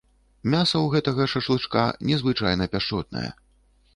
Мяса ў гэтага шашлычка незвычайна пяшчотнае.